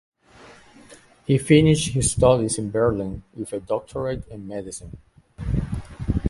He finished his studies in Berlin with a doctorate in medicine.